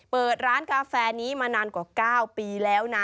เปิดร้านกาแฟนี้มานานกว่า๙ปีแล้วนะ